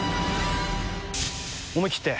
思い切って。